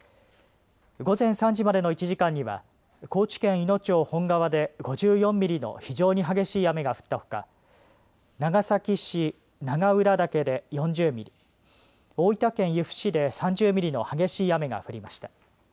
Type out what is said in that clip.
午前３時までの１時間には高知県いの町本川で５４ミリの非常に激しい雨が降ったほか長崎市長浦岳で４０ミリ大分県由布市で３０ミリの激しい雨が降りました。